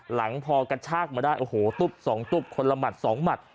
หลังพอกระชากมาได้โอ้โหทุบ๒ทุบคนละหมัด๒หมัด